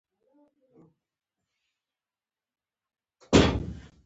غوږونه له عذر سره عادت کړی